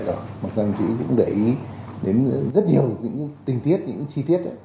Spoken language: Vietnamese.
mà công an nhân dân cũng để ý đến rất nhiều những tình tiết những chi tiết